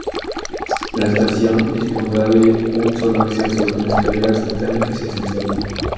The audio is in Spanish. La estación dispondrá de un solo acceso, con escaleras mecánicas y ascensores.